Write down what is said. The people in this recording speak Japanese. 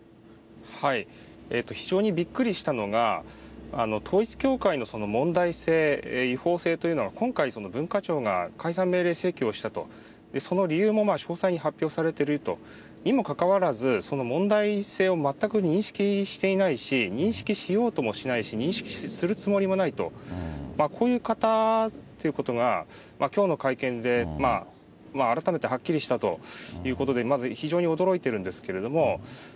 非常にびっくりしたのが、統一教会の問題性、違法性というのが、今回、文化庁が解散命令請求をしたと、その理由も詳細に発表されていると。にもかかわらず、その問題性を全く認識していないし、認識しようともしないし、認識するつもりもないと、こういう方っていうことが、きょうの会見で改めてはっきりしたということで、まず非常に驚いてるんですけれども。